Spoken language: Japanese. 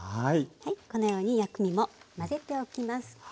このように薬味も混ぜておきます。